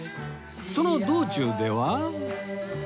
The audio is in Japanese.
その道中では